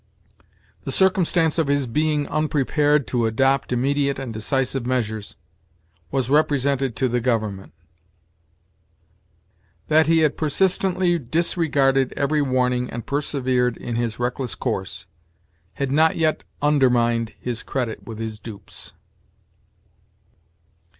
"The circumstance of his being unprepared to adopt immediate and decisive measures, was represented to the Government." "That he had persistently disregarded every warning and persevered in his reckless course, had not yet undermined his credit with his dupes."